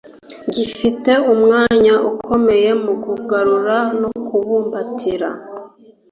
gifite umwanya ukomeye mu kugarura no kubumbatira